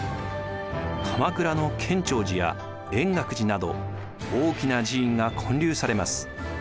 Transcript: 鎌倉の建長寺や円覚寺など大きな寺院が建立されます。